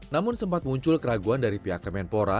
namun sempat muncul keraguan dari pihak kemenpora